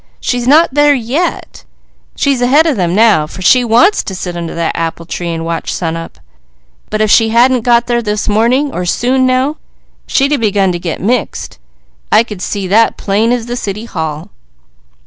She's not there yet. She's ahead of them now, for she wants to sit under that apple tree and watch sunup; but if she hadn't got there this morning or soon now, she'd a begun to get mixed, I could see that plain as the City Hall."